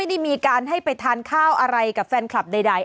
ได้มีการให้ไปทานข้าวอะไรกับแฟนคลับใด